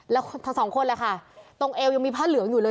แล้วทั้งสองคนแหละค่ะตรงเอวยังมีผ้าเหลืองอยู่เลย